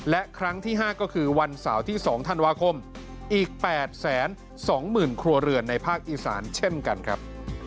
และครั้งที่๕ก็คือวันเสาร์ที่๒ธันวาคมอีก๘๒๐๐๐ครัวเรือนในภาคอีสานเช่นกันครับ